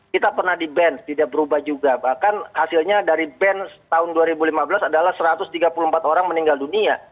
kita pernah di ban tidak berubah juga bahkan hasilnya dari ban tahun dua ribu lima belas adalah satu ratus tiga puluh empat orang meninggal dunia